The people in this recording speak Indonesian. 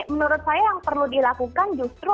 menurut saya yang perlu dilakukan justru